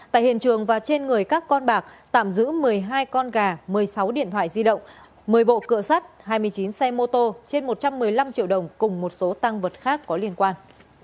tại hiện trường và trên người các con bạc tạm giữ một mươi hai con gà một mươi sáu điện thoại di động một mươi bộ cựa sắt hai mươi chín xe mô tô trên một trăm một mươi năm triệu đồng cùng một số tăng vật khác có liên quan